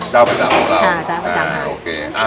เจ้าประจำของเราค่ะเจ้าประจำของเรา